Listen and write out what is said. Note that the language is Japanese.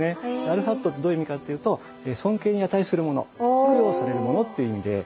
アルハットってどういう意味かっていうと尊敬に値するもの供養されるものっていう意味で。